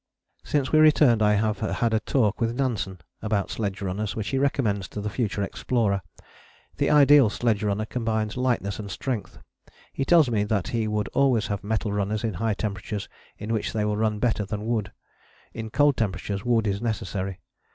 Since we returned I have had a talk with Nansen about the sledge runners which he recommends to the future explorer. The ideal sledge runner combines lightness and strength. He tells me that he would always have metal runners in high temperatures in which they will run better than wood. In cold temperatures wood is necessary.